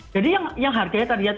jadi yang harganya